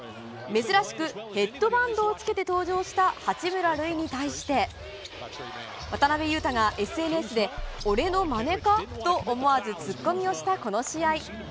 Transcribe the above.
珍しく、ヘッドバンドをつけて登場した八村塁に対して、渡邊雄太がＳＮＳで、俺のまねか？と思わずツッコミをしたこの試合。